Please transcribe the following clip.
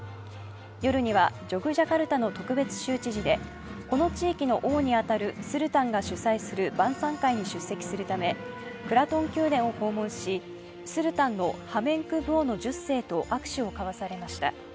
夜にはジョグジャカルタの特別州知事でこの地域の王に当たるスルタンが主催する晩餐会に出席するためクラトン宮殿を訪問し、スルタンのハメンクブオノ１０世と握手を交わされました。